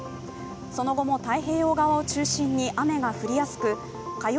その後も太平洋側を中心に雨が降りやすく火曜